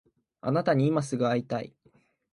あなたに今すぐ会いたい